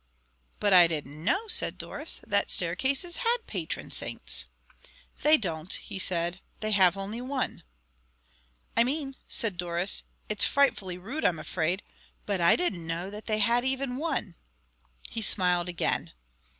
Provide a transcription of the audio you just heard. "But I didn't know," said Doris, "that staircases had patron saints." "They don't," he said. "They have only one." "I mean," said Doris "it's frightfully rude, I'm afraid but I didn't know that they had even one." He smiled again.